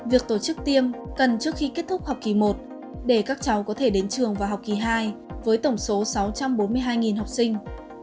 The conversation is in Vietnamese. việc tổ chức tiêm cần trước khi kết thúc học kỳ một để các cháu có thể đến trường và học kỳ hai với tổng số sáu trăm bốn mươi hai học sinh